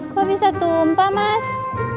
kok bisa tumpah mas